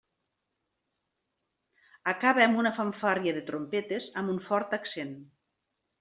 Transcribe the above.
Acaba amb una fanfàrria de trompetes amb un fort accent.